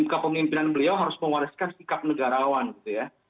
luka pengimpinan beliau harus mewariskan sikap negarawan gitu ya